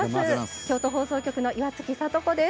京都放送局の岩槻里子です。